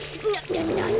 ななに？